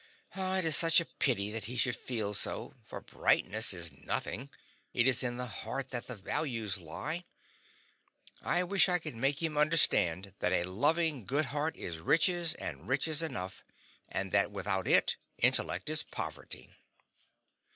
It is such a pity that he should feel so, for brightness is nothing; it is in the heart that the values lie. I wish I could make him understand that a loving good heart is riches, and riches enough, and that without it intellect is poverty.